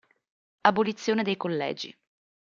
Abolizione dei collegi.